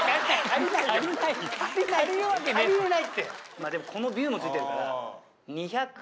まあでもこのビューも付いてるから２００。